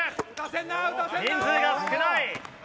人数が少ない！